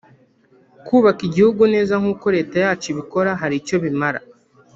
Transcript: …kubaka igihugu neza nk’uko Leta yacu ibikora hari icyo bimara